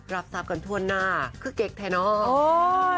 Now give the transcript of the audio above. รับทราบกันทั่วหน้าคือเก๊กไทยนอก